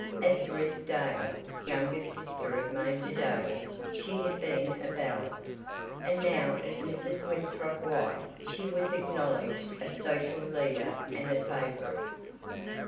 As Ruth Dale, youngest sister of Major Dale, she had been a belle, and now as Mrs. Winthrop White she was acknowledged a social leader and a favorite.